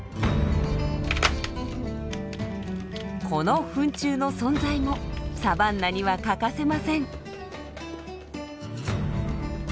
このフン虫の存在もサバンナには欠かせません。